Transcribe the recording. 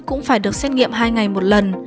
cũng phải được xét nghiệm hai ngày một lần